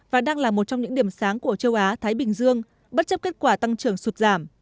và đang là một trong những điểm sáng của châu á thái bình dương bất chấp kết quả tăng trưởng sụt giảm